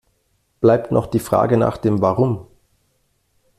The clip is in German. Bleibt noch die Frage nach dem Warum.